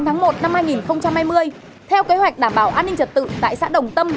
dạng sáng ngày chín tháng một năm hai nghìn hai mươi theo kế hoạch đảm bảo an ninh trật tự tại xã đồng tâm